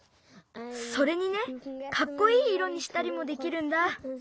それにねかっこいいいろにしたりもできるんだ。